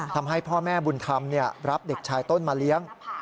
ทำให้พ่อแม่บุญธรรมรับเด็กชายต้นมาเลี้ยง